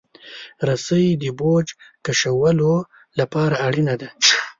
رسۍ د بوج د کشولو لپاره اړینه ده.